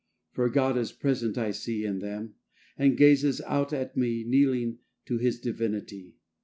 For God is present as I see In them; and gazes out at me Kneeling to His divinity.